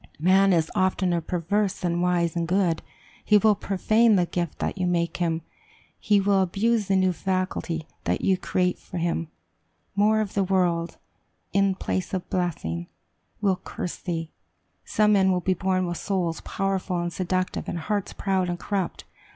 Man is oftener perverse than wise and good; he will profane the gift that you make him; he will abuse the new faculty that you create for him. More of the world, in place of blessing, will curse thee. Some men will be born with souls powerful and seductive, and hearts proud and corrupt.